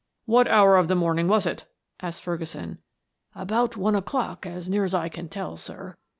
"What hour of the morning was it?" asked Ferguson. "About one o'clock, as near as I can tell, sir."